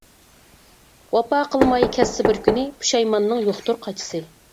ۋاپا قىلماي كەتسە بىر كۈنى، پۇشايماننىڭ يوقتۇر قاچىسى.